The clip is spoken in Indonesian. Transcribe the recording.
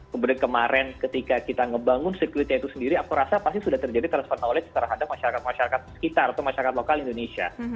kemudian kemarin ketika kita ngebangun security itu sendiri aku rasa pasti sudah terjadi transfer knowledge terhadap masyarakat masyarakat sekitar atau masyarakat lokal indonesia